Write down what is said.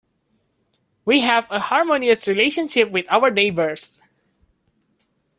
We have a harmonious relationship with our neighbours.